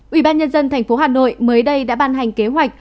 ủy ban nhân dân thành phố hà nội mới đây đã ban hành kế hoạch